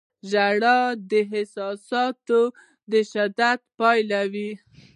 • ژړا د احساساتو د شدت پایله وي.